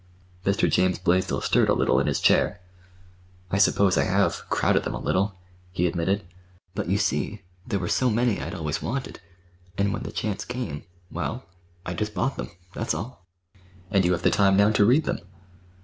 Mr. James Blaisdell stirred a little in his chair. "I suppose I have—crowded them a little," he admitted. "But, you see, there were so many I'd always wanted, and when the chance came—well, I just bought them; that's all." "And you have the time now to read them."